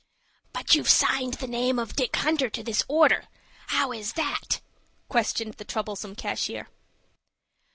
"But you've signed the name of Dick Hunter to this order. How is that?" questioned the troublesome cashier.